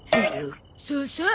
そうそう。